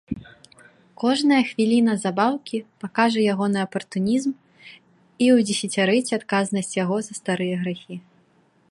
Кожная хвіліна забаўкі пакажа ягоны апартунізм і ўдзесяцярыць адказнасць яго за старыя грахі.